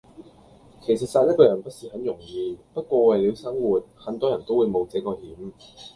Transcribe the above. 其實殺一個人不是很容易，不過為了生活，很多人都會冒這個險。